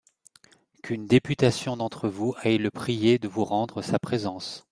Qu'une députation d'entre vous aille le prier de vous rendre sa présence.